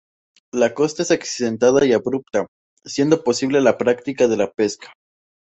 La costa es accidentada y abrupta, siendo posible la práctica de la pesca.